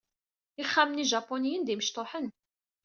Ixxamen ijapuniyen d imecṭuḥen.